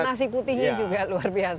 nasi putihnya juga luar biasa